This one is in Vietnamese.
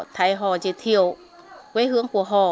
thấy họ giới thiệu quê hướng của họ